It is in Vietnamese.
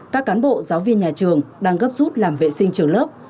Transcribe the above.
các cán bộ giáo viên nhà trường đang gấp rút làm vệ sinh trường lớp